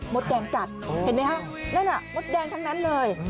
แดงกัดเห็นไหมฮะนั่นน่ะมดแดงทั้งนั้นเลย